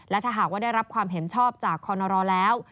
และถ้าหากว่าได้รับความเห็นชอบจากคอนรอแล้ว